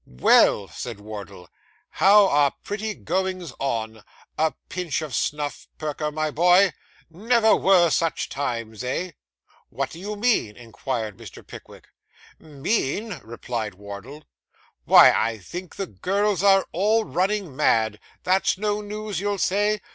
'Well!' said Wardle. 'Here are pretty goings on a pinch of your snuff, Perker, my boy never were such times, eh?' 'What do you mean?' inquired Mr. Pickwick. 'Mean!' replied Wardle. 'Why, I think the girls are all running mad; that's no news, you'll say?